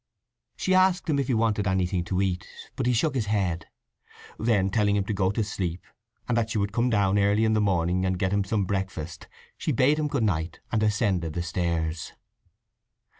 She asked him if he wanted anything to eat, but he shook his head. Then telling him to go to sleep, and that she would come down early in the morning and get him some breakfast, she bade him good night and ascended the stairs.